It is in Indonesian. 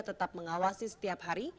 tetap mengawasi setiap hari